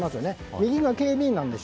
右が警備員なんです。